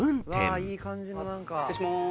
失礼しまーす。